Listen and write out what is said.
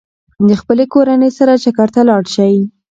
د خپلې کورنۍ سره چکر ته لاړ شئ.